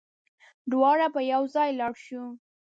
دواړه به يوځای لاړ شو